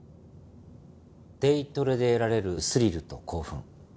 デイトレで得られるスリルと興奮。